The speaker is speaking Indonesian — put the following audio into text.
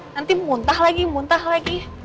nanti muntah lagi muntah lagi